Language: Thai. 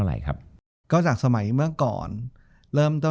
จบการโรงแรมจบการโรงแรม